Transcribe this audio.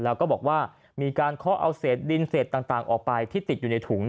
แล้วก็บอกว่ามีการเคาะเอาเศษดินเศษต่างออกไปที่ติดอยู่ในถุง